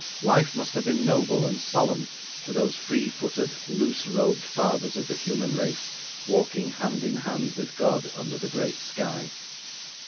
Life must have been noble and solemn to those free footed, loose robed fathers of the human race, walking hand in hand with God under the great sky.